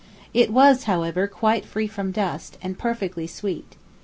It was, however, quite free from dust, and perfectly sweet.